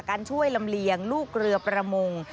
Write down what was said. ช่วยลำเลียงลูกเรือประมง